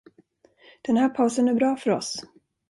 Den här pausen är bra för oss.